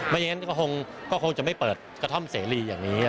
อย่างนั้นก็คงจะไม่เปิดกระท่อมเสรีอย่างนี้